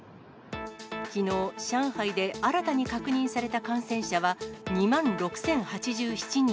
きのう、上海で新たに確認された感染者は、２万６０８７人。